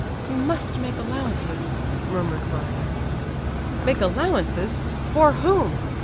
"You must make allowances," murmured Varia. "Make allowances? For whom?